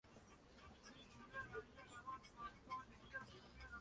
Varias empresas comerciales y de transporte terrestre ubican sus sedes en esta zona.